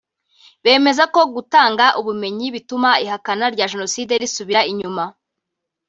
Bemeza ko gutanga ubumenyi bituma ihakana rya jenoside risubira inyuma